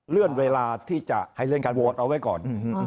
เลื่อนเวลาที่จะให้เลื่อนการโหวตเอาไว้ก่อน